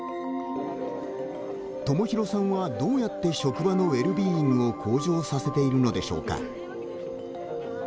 友廣さんは、どうやって職場のウェルビーイングを向上させているのでしょうか。